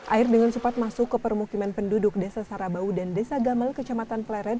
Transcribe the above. air dengan cepat masuk ke permukiman penduduk desa sarabau dan desa gamel kecamatan pleret